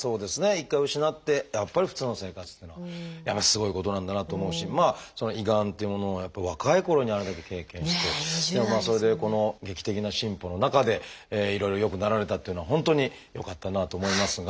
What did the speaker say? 一回失ってやっぱり普通の生活っていうのはやっぱりすごいことなんだなと思うし胃がんっていうものがやっぱり若いころにあれだけ経験してそれでこの劇的な進歩の中でいろいろ良くなられたっていうのは本当によかったなと思いますが。